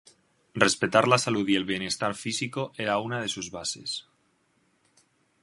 Respetar la salud y el bienestar físico era una de sus bases.